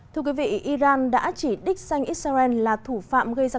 thưa quý vị iran đã chỉ đích xanh israel là thủ phạm gây ra